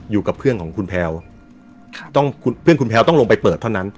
อยู่กับเพื่อนของคุณแพลวต้องคุณเพื่อนคุณแพลวต้องลงไปเปิดเท่านั้น